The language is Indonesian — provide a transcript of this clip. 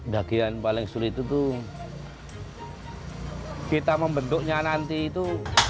bagian paling sulit itu kita membentuknya nanti itu